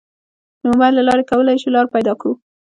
د موبایل له لارې کولی شو لار پیدا کړو.